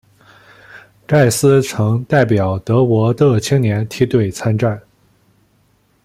盖斯曾代表德国各青年梯队参战。